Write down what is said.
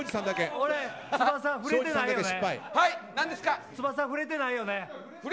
俺、翼触れてないよね？